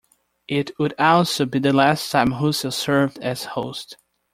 It would also be the last time Russell served as host.